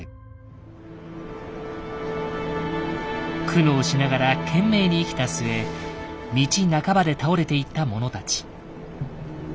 苦悩しながら懸命に生きた末道半ばで倒れていった者たち。